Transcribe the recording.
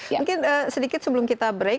mungkin sedikit sebelum kita break